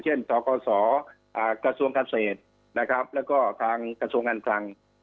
เช่นสขสกระทรวงกัศศแล้วก็ทางกระทรวงงานขลัง